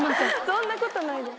そんな事ないです。